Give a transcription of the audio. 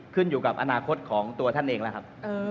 ขึ้นอยู่กับอนาคตของตัวท่านเองแล้วครับ